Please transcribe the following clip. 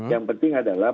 yang penting adalah